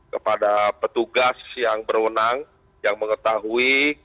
kepada petugas yang berwenang yang mengetahui